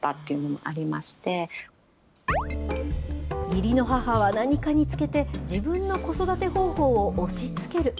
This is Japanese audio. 義理の母は、何かにつけて、自分の子育て方法を押しつける。